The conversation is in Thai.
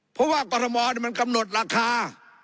เพราะว่ากรทมมันกำหนดราคา